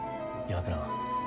岩倉は。